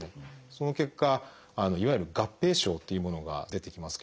その結果いわゆる合併症というものが出てきますけど。